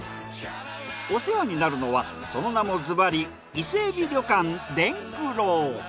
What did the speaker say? お世話になるのはその名もずばり伊勢海老旅館伝九郎。